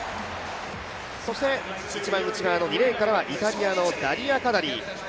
そして一番内側の２レーンからはイタリアのダリア・カダリ。